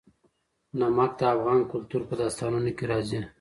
نمک د افغان کلتور په داستانونو کې راځي.